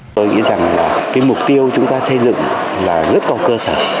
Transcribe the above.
tôi nghĩ rằng mục tiêu chúng ta xây dựng rất có cơ sở